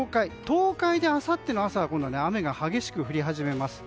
東海で、あさっての朝今度は雨が激しく降り始めます。